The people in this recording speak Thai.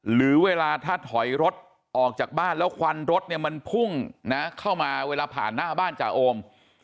หรือเวลาถ้าถอยรถออกจากบ้านแล้วควันรถเนี่ยมันพุ่งนะเข้ามาเวลาผ่านหน้าบ้านจ่าโอม